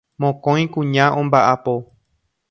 Mokõi kuña omba'apo.